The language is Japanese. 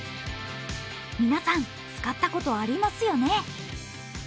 皆さん、使ったことありますよね？